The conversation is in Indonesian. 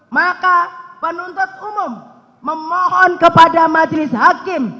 maka penuntut umum memohon kepada majelis hakim